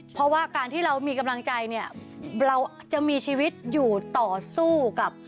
เพราะว่าการที่เรามีกำลังใจเนี่ยเราจะมีชีวิตอยู่ต่อสู้กับ